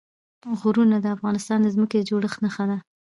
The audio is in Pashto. غرونه د افغانستان د ځمکې د جوړښت نښه ده.